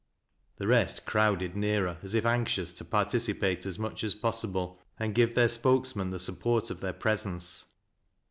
'' The rest crowded nearer as if anxious to participate aja much as possible, and give their spokesman the support of their presence.